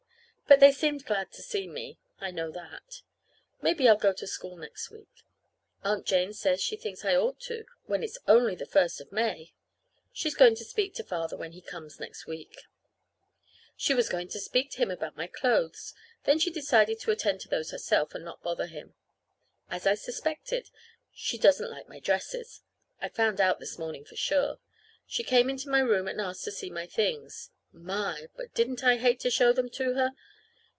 But they seemed glad to see me. I know that. Maybe I'll go to school next week. Aunt Jane says she thinks I ought to, when it's only the first of May. She's going to speak to Father when he comes next week. She was going to speak to him about my clothes; then she decided to attend to those herself, and not bother him. As I suspected, she doesn't like my dresses. I found out this morning for sure. She came into my room and asked to see my things. My! But didn't I hate to show them to her?